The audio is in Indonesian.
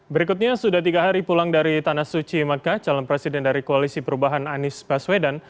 berikutnya sudah tiga hari pulang dari tanah suci maka calon presiden dari koalisi perubahan anies baswedan